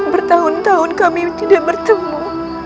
bertahun tahun kami tidak bertemu